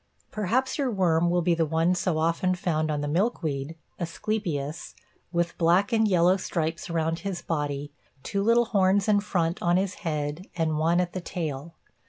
Perhaps your worm will be the one so often found on the milkweed (asclepias) with black and yellow stripes around his body, two little horns in front on his head and one at the tail.